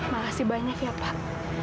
makasih banyak ya pak